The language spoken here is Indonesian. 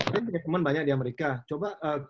dia punya temen banyak di amerika coba